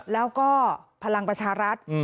แล้วก็พลังประชารัฐ